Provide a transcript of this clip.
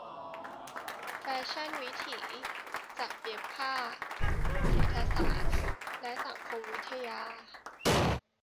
แฟชั่นวิถี-จักรเย็บผ้า-เศรษฐศาสตร์และสังคมวิทยา.